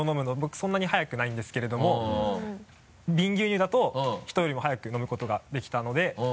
そんなに早くないんですれどもビン牛乳だと人よりも早く飲むことができたので。